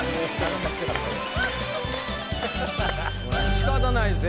しかたないです。